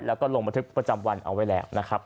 แล้วก็ลงบันทึกประจำวันเอาไว้แล้วนะครับ